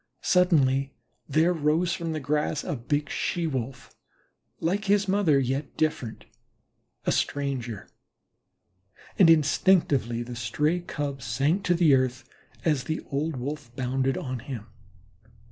Suddenly there arose from the grass a big She wolf, like his mother, yet different, a stranger, and instinctively the stray Cub sank to the earth, as the old Wolf bounded on him.